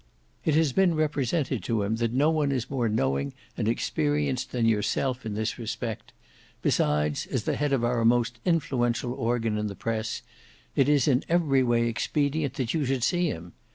It has been represented to him that no one is more knowing and experienced than yourself in this respect; besides as the head of our most influential organ in the Press, it is in every way expedient that you should see him.